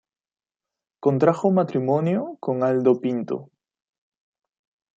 Contrajo matrimonio con Aldo Pinto.